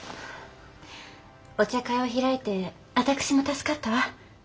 お茶会を開いて私も助かったわ。